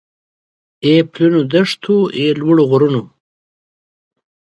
اې پلنو دښتو اې لوړو غرونو